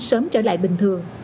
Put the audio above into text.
sớm trở lại bình thường